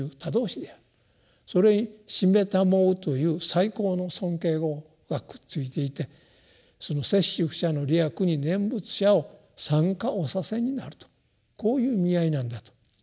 それに「しめたまふ」という最高の尊敬語がくっついていてその摂取不捨の利益に念仏者を参加おさせになるとこういう意味合いなんだと。